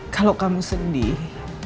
kalau kamu sedih